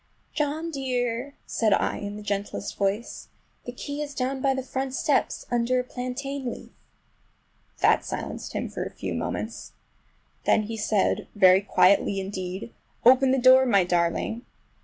"John dear!" said I in the gentlest voice, "the key is down by the front steps, under a plantain leaf!" That silenced him for a few moments. Then he said—very quietly indeed, "Open the door, my darling!"